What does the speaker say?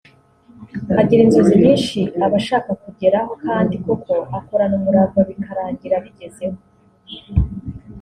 agira inzozi nyinshi aba ashaka kugeraho kandi koko akorana umurava bikarangira abigezeho